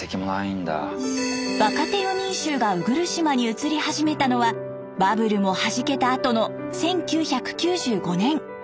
若手４人衆が鵜来島に移り始めたのはバブルもはじけたあとの１９９５年。